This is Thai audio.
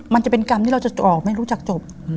มันจะเป็นกรรมที่เราจะออกไม่รู้จักจบ